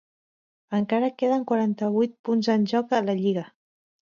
Encara queden quaranta-vuit punts en joc en la lliga.